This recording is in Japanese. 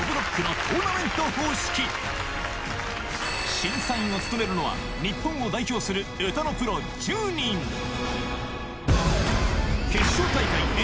審査員を務めるのは日本を代表する歌のプロ１０人決勝大会Ａ